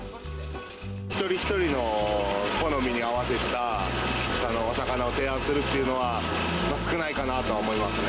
一人一人の好みに合わせたお魚を提案するっていうのは、少ないかなとは思いますね。